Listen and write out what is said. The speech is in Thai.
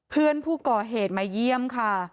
เพื่อนผู้ก่อเหตุมาเยี่ยมค่ะ